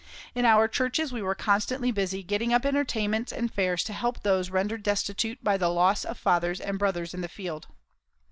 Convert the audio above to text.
In our churches we were constantly busy getting up entertainments and fairs to help those rendered destitute by the loss of fathers and brothers in the field.